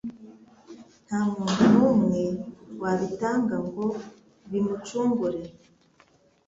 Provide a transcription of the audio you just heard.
Nta muntu n’umwe wabitanga ngo bimucungure